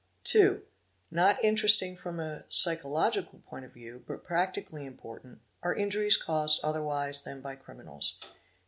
: g 2. Not interesting from a psychological point of view, but practi cally important, are injuries caused otherwise than by criminals.